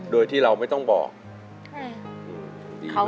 โดยที่เราไม่ต้องบอกมันดีมาก